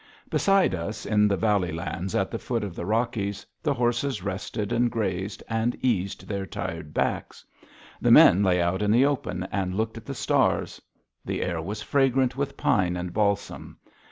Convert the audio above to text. Behind us, in the valley lands at the foot of the Rockies, the horses rested and grazed, and eased their tired backs. The men lay out in the open and looked at the stars. The air was fragrant with pine and balsam.